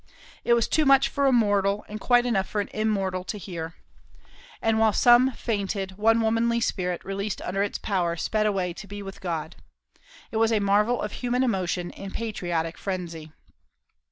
It was too much for a mortal, and quite enough for an immortal, to hear: and while some fainted, one womanly spirit, released under its power, sped away to be with God. It was a marvel of human emotion in patriotic frenzy.